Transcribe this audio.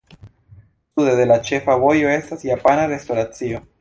Sude de la ĉefa vojo estas japana restoracio.